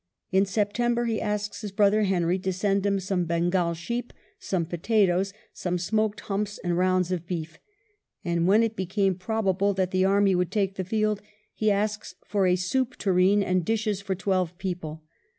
In September he asks his brother Henry to send him " some Bengal sheep, some potatoes, some smoked humps and rounds of beef ;" and when it became probable that the army would take the field, he asks for a soup tureen and dishes for twelve people.